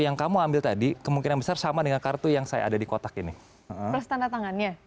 yang kamu ambil tadi kemungkinan besar sama dengan kartu yang saya ada di kotak ini plus tanda tangannya